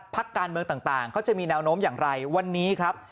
พักการเมืองต่างเขาจะมีแนวโน้มอย่างไรวันนี้ครับ